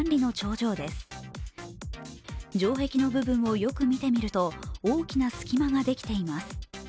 城壁の部分をよく見てみると大きな隙間ができています。